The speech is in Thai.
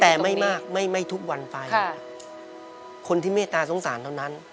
แต่ไม่มากไม่ไม่ทุกวันไปคนที่เมตตาสงสารเท่านั้น